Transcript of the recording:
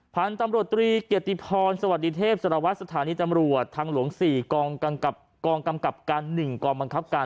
พันธุ์ตำรวจตรีเกียรติพรสวัสดีเทพสารวัตรสถานีตำรวจทางหลวง๔กองกำกับการ๑กองบังคับการ